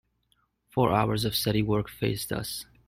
Four hours of steady work faced us.